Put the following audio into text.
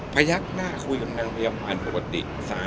ยักหน้าคุยกับนางพยาบาลปกติ